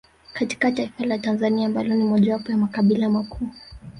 Katika taifa la Tanzania ambalo ni mojawapo ya makabila makuu